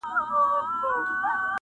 • خو د کلي چوپتيا لا هم تر ټولو قوي ده..